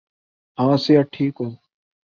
ہاں صحت ٹھیک ہو۔